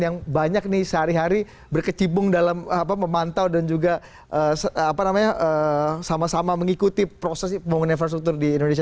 yang banyak nih sehari hari berkecibung dalam memantau dan juga sama sama mengikuti proses pembangunan infrastruktur di indonesia